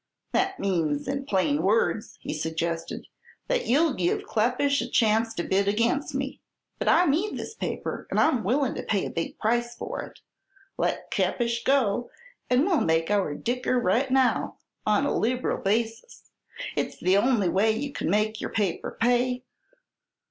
"That means, in plain words," he suggested, "that you'll give Kleppish a chance to bid against me. But I need this paper, and I'm willin' to pay a big price for it. Let Kleppish go, and we'll make our dicker right now, on a lib'ral basis. It's the only way you can make your paper pay.